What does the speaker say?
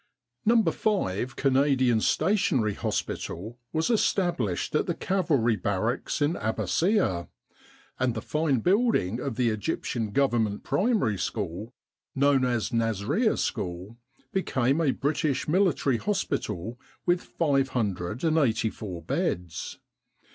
No. 5 Canadian Stationary Hospital was established in the Cavalry Barracks at Abbassieh; and the fine building of the Egyptian Government Primary School, known as Nasrieh School, became a British Military Hospital with 584 beds.